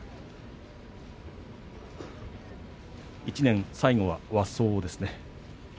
１年最後は和装ですね。